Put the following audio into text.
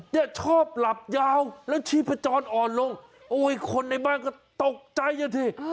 เนี่ยชอบหลับยาวแล้วชีพจรอ่อนลงโอ้ยคนในบ้านก็ตกใจกันสิ